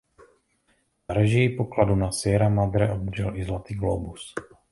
Za režii "Pokladu na Sierra Madre" obdržel i Zlatý glóbus.